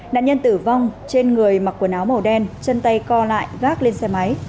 nạn nhân tử vong trên người mặc quần áo màu đen chân tay co lại gác lên xe máy